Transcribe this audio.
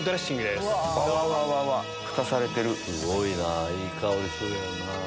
すごいなぁいい香りするよな。